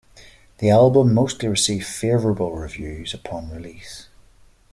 The album mostly received favourable reviews upon release.